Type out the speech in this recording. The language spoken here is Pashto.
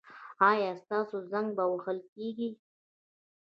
ایا ستاسو زنګ به وهل کیږي؟